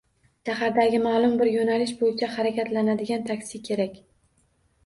Shahardagi ma’lum bir yo‘nalish bo‘yicha harakatlanadigan taksi kerak.